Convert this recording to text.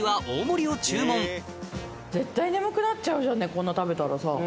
こんな食べたらさ。